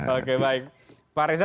oke baik pak reza